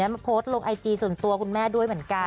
มาโพสต์ลงไอจีส่วนตัวคุณแม่ด้วยเหมือนกัน